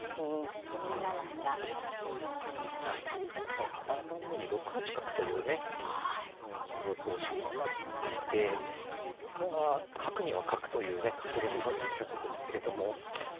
また３番目に６八角というね予想手も挙がっていてこれが「角には角」というね格言どおりの手なんですけれども。